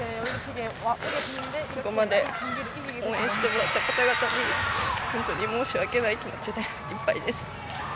ここまで応援してもらった方々に本当に申し訳ない気持ちでいっぱいです。